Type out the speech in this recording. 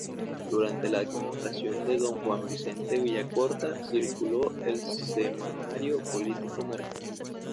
Durante la administración de don Juan Vicente Villacorta, circuló "El Semanario Político Mercantil".